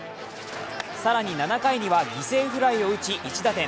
更に７回には犠牲フライを打ち１打点。